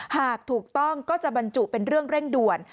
หากถูกต้องก็จะบรรจุเป็นเรื่องเร่งด่วน